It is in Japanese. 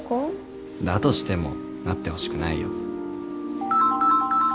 だとしてもなってほしくないよ。